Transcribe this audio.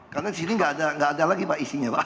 karena di sini enggak ada lagi pak isinya pak